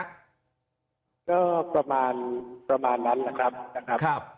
ก็ประมาณนั้นแหละครับ